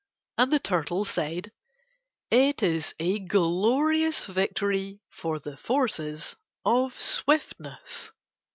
And the Turtle said, "It is a glorious victory for the forces of swiftness."